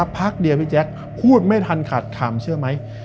แฟ้งแจ๊คพูดไม่ทันขาดถ้ำเชื่อไหม